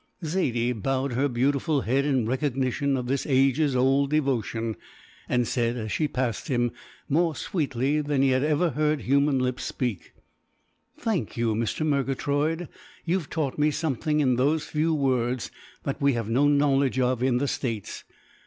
Zaidie bowed her beautiful head in recognition of this ages old devotion, and said as she passed him, more sweetly than he had ever heard human lips speak: "Thank you, Mr. Murgatroyd. You've taught me something in those few words that we have no knowledge of in the States.